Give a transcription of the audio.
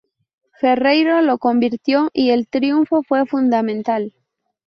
Ferreiro lo convirtió y el triunfo fue fundamental.